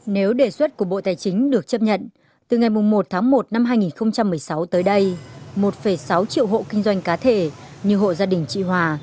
nếu đề xuất của bộ tài chính được chấp nhận từ ngày một tháng một năm hai nghìn một mươi sáu tới đây một sáu triệu hộ kinh doanh cá thể như hộ gia đình chị hòa